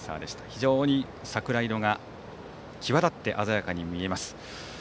非常に桜色が際立って鮮やかに見えます。